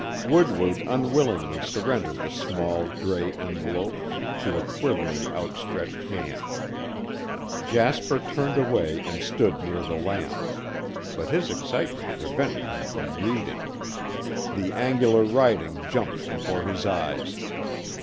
Woodward unwillingly surrendered the small, gray envelope to a quivering, outstretched hand. Jasper turned away and stood near the lamp. But his excitement prevented him from reading. The angular writing jumped before his eyes.